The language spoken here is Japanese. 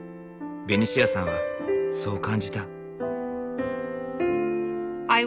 ベ二シアさんはそう感じた。